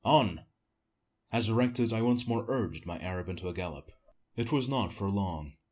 on!" As directed, I once more urged my Arab into a gallop. It was not for long.